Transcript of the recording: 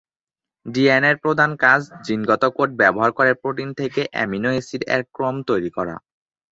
ডিএনএর প্রধান কাজ জিনগত কোড ব্যবহার করে প্রোটিন থেকে অ্যামিনো অ্যাসিড এর ক্রম তৈরি করা।